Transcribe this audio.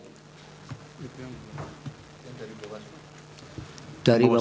yang dari bawah sudut